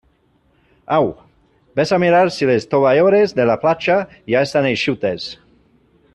Au, vés a mirar si les tovalloles de la platja ja estan eixutes.